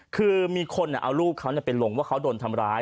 คือมีคนเอารูปเขาไปลงว่าเขาโดนทำร้าย